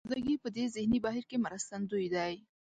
سادهګي په دې ذهني بهير کې مرستندوی دی.